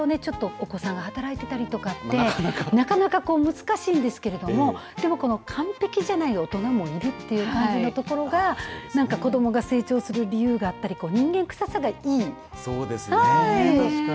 お子さんが働いてたりとかってなかなか難しいんですけれどもでも完璧じゃない大人がいるという感じのところが子どもが成長する理由があったり人間臭さがいい。